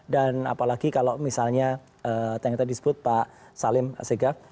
dan apalagi kalau misalnya yang tadi disebut pak salim sehgaf